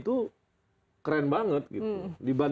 mungkin orang gak nyangka kalau ternyata kita bisa berada di bali